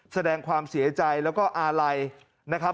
แสดงความเสียใจแล้วก็อาลัยนะครับ